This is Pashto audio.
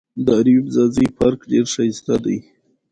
پابندی غرونه د افغانستان د دوامداره پرمختګ لپاره اړین دي.